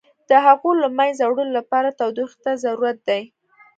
د هغوی له منځه وړلو لپاره تودوخې ته ضرورت دی.